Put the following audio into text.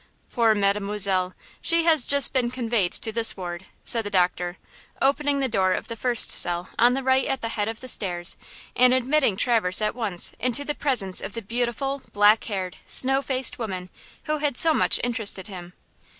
Poor Mademoiselle! She has just been conveyed to this ward," said the doctor, opening the door of the first cell on the right at the head of the stairs and admitting Traverse at once into the presence of the beautiful, black haired, snow faced woman, who had so much interested him.